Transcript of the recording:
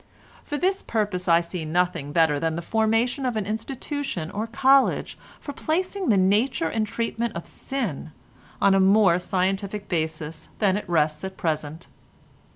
For this purpose I see nothing better than the foundation of an institution or college for placing the nature and treatment of sin on a more scientific basis than it rests at present.